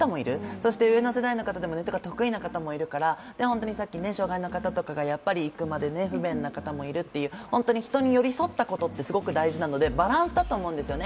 そして、上の世代でもネットが得意な方とかもいるから障害の方とかが行くまでに不便な方もいるっていう人に寄り添ったことってすごく大事なのでバランスだと思うんですよね。